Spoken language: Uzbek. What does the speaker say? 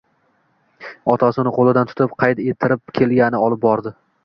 Otasi uni qo'lidan tutib, qayd ettirib kelgani olib bordi.